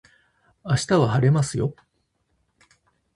明日は晴れますよ